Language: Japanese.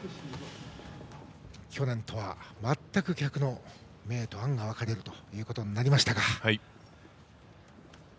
去年とは全く逆の、明と暗が分かれることになりましたが。